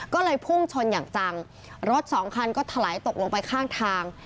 ก็เลยพุ่งชนอย่างจังรถสองคันก็ถลายตกลงไปข้างทาง